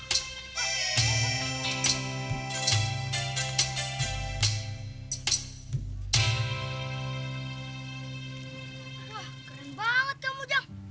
wah keren banget kamu jam